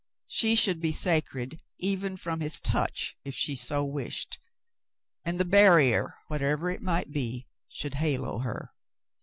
She should be sacred even from his touch, if she so wished, and the barrier, whatever it might be, should halo her.